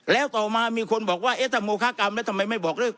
แล้วต่อมามีคนบอกว่าเอ๊ะถ้าโมคากรรมแล้วทำไมไม่บอกเลิก